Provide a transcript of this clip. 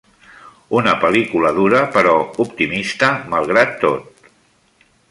Una pel·lícula dura però optimista malgrat tot.